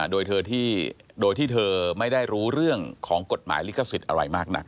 โดยที่เธอไม่ได้รู้เรื่องของกฎหมายลิขสิทธิ์อะไรมากนัก